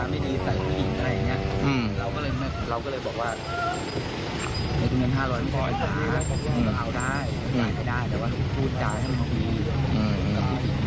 มีเงิน๕๐๐บาทก็เอาได้แต่ว่าผู้ตายมันต้องดี